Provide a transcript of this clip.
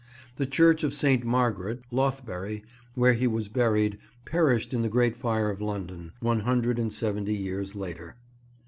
The church of St. Margaret, Lothbury, where he was buried, perished in the Great Fire of London, one hundred and seventy years later.